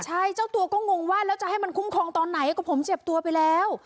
ใช่เจ้าตัวก็งงว่าแล้วจะให้มันคุ้มครองตอนไหนก็ผมเจ็บตัวไปแล้ว